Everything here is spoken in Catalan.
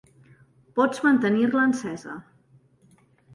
Pots mantenir-la encesa.